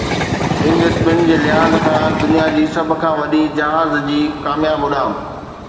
wing spin جي لحاظ کان دنيا جي سڀ کان وڏي جهاز جي ڪامياب اڏام